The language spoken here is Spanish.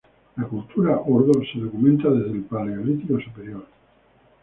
La cultura ordos se documenta desde el Paleolítico Superior.